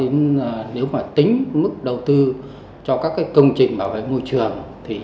nếu mà tính mức đầu tư cho các công trình bảo vệ môi trường thì